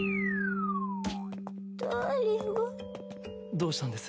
どうしたんです？